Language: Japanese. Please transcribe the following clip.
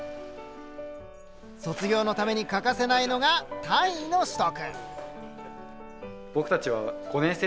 卒業のために欠かせないのが単位の取得。